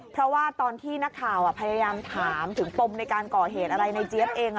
เพราะว่าตอนที่นักข่าวพยายามถามถึงปมในการก่อเหตุอะไรในเจี๊ยบเอง